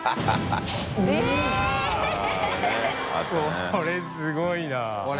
これすごいな